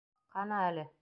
Ҡана әле!